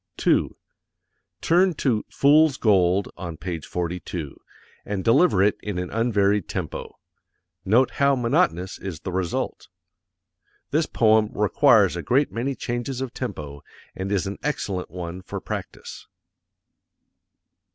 _ 2. Turn to "Fools Gold," on Page 42, and deliver it in an unvaried tempo: note how monotonous is the result. This poem requires a great many changes of tempo, and is an excellent one for practise.